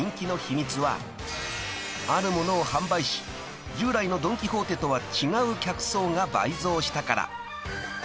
［あるものを販売し従来のドン・キホーテとは違う客層が倍増したから］